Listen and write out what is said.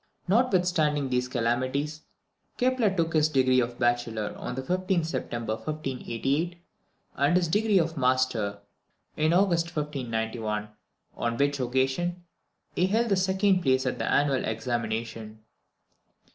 Notwithstanding these calamities, Kepler took his degree of Bachelor on the 15th September 1588, and his degree of Master in August 1591, on which occasion he held the second place at the annual examination.